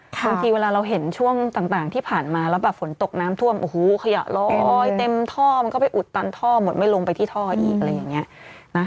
บางทีเวลาเราเห็นช่วงต่างที่ผ่านมาแล้วแบบฝนตกน้ำท่วมโอ้โหขยะลอยเต็มท่อมันก็ไปอุดตันท่อหมดไม่ลงไปที่ท่ออีกอะไรอย่างนี้